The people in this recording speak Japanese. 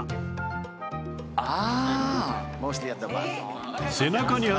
「ああ！」